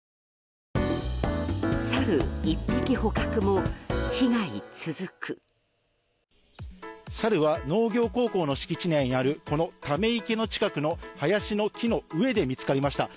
サルは農業高校の敷地内にあるこのため池の近くの林の木の上で見つかりました。